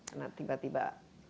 karena tiba tiba menjadi